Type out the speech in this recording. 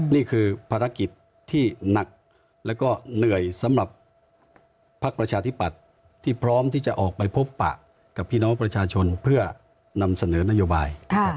นี่คือภารกิจที่หนักแล้วก็เหนื่อยสำหรับภักดิ์ประชาธิปัตย์ที่พร้อมที่จะออกไปพบปะกับพี่น้องประชาชนเพื่อนำเสนอนโยบาย